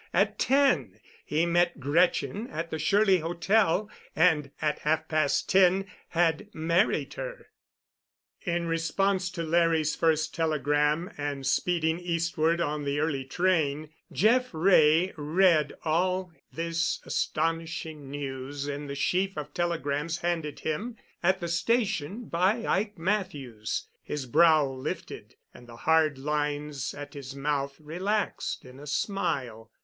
At ten he met Gretchen at the Shirley Hotel, and, at half past ten, had married her. In response to Larry's first telegram and speeding eastward on the early train, Jeff Wray read all this astonishing news in the sheaf of telegrams handed him at the station by Ike Matthews. His brow lifted, and the hard lines at his mouth relaxed in a smile.